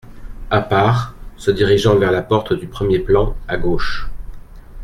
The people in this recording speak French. À part, se dirigeant vers la porte du premier plan à gauche.